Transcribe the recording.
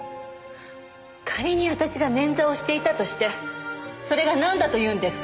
仮に私が捻挫をしていたとしてそれがなんだというんですか？